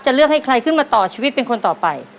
เลือกให้ใครขึ้นมาต่อชีวิตเป็นคนต่อไป